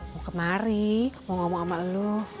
mau kemari mau ngomong sama lo